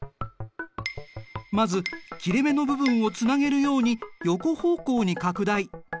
まず切れ目の部分をつなげるように横方向に拡大。